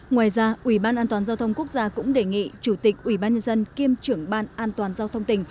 ngoài ra uban giao thông quốc gia cũng đề nghị chủ tịch uban nhân dân kiêm trưởng uban giao thông tỉnh